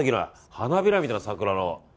花びらみたいな桜の。